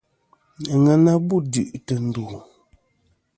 Àŋena bu duʼ tɨ̀ ndù.